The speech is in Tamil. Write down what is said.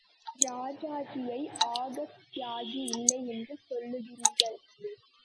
ராஜாஜியை ஆகஸ்ட் தியாகி இல்லை என்று சொல்லுகிறீர்கள்.